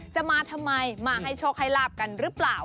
จะมาทำไมมาให้โชคให้ลาบกันหรือเปล่า